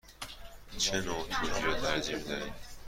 چه نوع توری را ترجیح می دهید؟